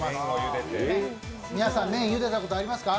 皆さん、麺、ゆでたことありますか？